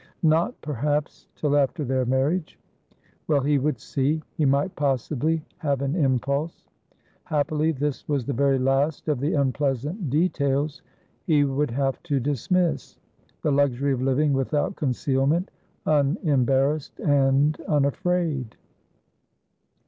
Not, perhaps, till after their marriage. Well, he would see; he might possibly have an impulse. Happily this was the very last of the unpleasant details he would have to dismiss. The luxury of living without concealment, unembarrassed, and unafraid!